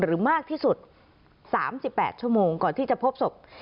มากที่สุด๓๘ชั่วโมงก่อนที่จะพบศพ